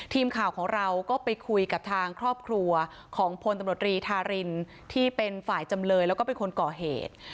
ทีมข่าวของเราก็ไปคุยกับทางครอบครัวของพลตำรวจรีธารินที่เป็นฝ่ายจำเลยแล้วก็เป็นคนก่อเหตุ